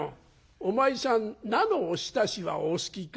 「お前さん菜のおひたしはお好きか？」。